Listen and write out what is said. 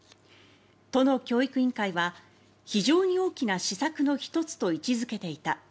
都の教育委員会は非常に大きな施策の１つと位置づけていた。